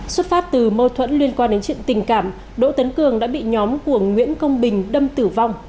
xuất phát từ mâu thuẫn liên quan đến chuyện tình cảm đỗ tấn cường đã bị nhóm của nguyễn công bình đâm tử vong